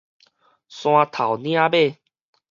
山頭嶺尾